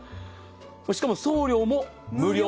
しかも送料も無料。